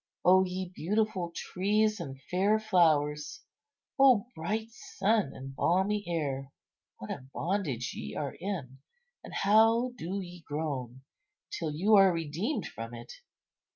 O ye beautiful trees and fair flowers, O bright sun and balmy air, what a bondage ye are in, and how do ye groan till you are redeemed from it!